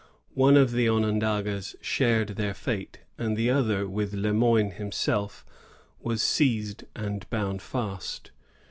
One of the Onondagas shared their fate, and the other, with Le Moyne himself, was seized and bound fast.